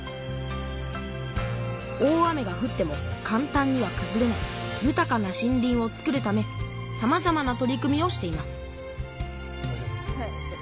大雨がふってもかん単にはくずれないゆたかな森林をつくるためさまざまな取り組みをしています